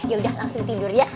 ya udah langsung tidur ya